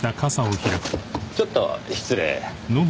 ちょっと失礼。